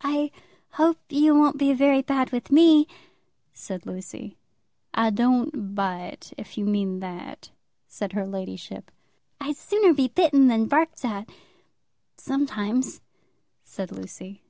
"I hope you won't be very bad with me," said Lucy. "I don't bite, if you mean that," said her ladyship. "I'd sooner be bitten than barked at, sometimes," said Lucy.